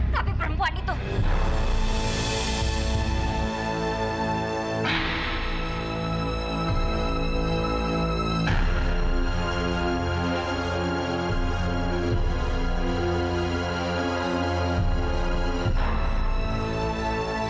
tapi perempuan itu